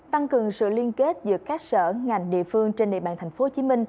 tăng cường sự liên kết giữa các sở ngành địa phương trên địa bàn tp hcm